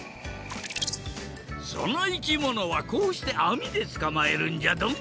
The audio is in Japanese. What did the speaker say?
そのいきものはこうしてあみでつかまえるんじゃドン。